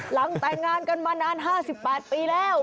หลังแต่งงานกันมานาน๕๘ปีแล้ว